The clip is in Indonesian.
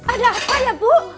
ada apa ya bu